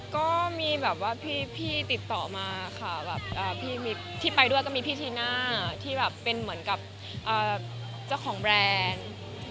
ก็มีแบบว่าพี่ติดต่อมาค่ะแบบที่ไปด้วยก็มีพี่ทีน่าที่แบบเป็นเหมือนกับเจ้าของแบรนด์